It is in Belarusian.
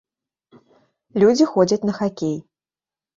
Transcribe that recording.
Людзі ходзяць на хакей.